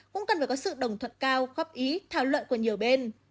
cũng cần phải có sự đồng thuận cao góp ý thảo luận của nhiều bên